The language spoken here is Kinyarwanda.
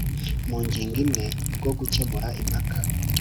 mu ngingo imwe bwo gukemura impaka